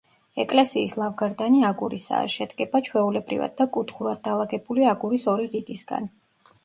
ეკლესიის ლავგარდანი აგურისაა, შედგება ჩვეულებრივად და კუთხურად დალაგებული აგურის ორი რიგისგან.